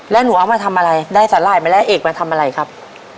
แล้วหนูเอามาทำอะไรได้สาหร่ายมาแล้วเอกมาทำอะไรครับ